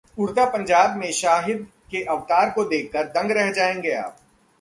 'उडता पंजाब' में शाहिद के अवतार को देखकर दंग रह जाएंगे आप